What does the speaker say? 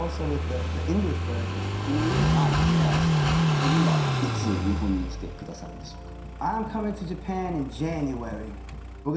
次はいつ、日本に来てくださるんでしょうか。